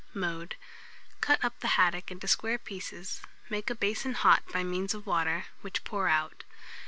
Mode. Cut up the haddock into square pieces, make a basin hot by means of hot water, which pour out.